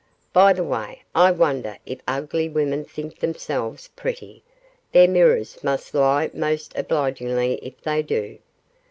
By the way, I wonder if ugly women think themselves pretty; their mirrors must lie most obligingly if they do.